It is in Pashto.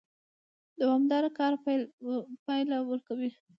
دوامدار کار پایله ورکوي